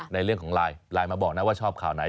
ในเรื่องของไลน์ไลน์มาบอกนะว่าชอบข่าวไหน